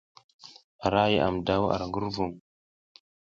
Ara yaʼam daw ar ngurvung.